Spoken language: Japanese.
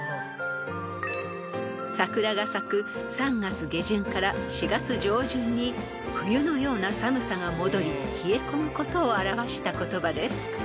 ［桜が咲く３月下旬から４月上旬に冬のような寒さが戻り冷え込むことを表した言葉です］